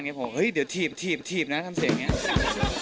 เฮ้ยเดี๋ยวถีบถีบถีบนะทำเสร็จอย่างเนี้ย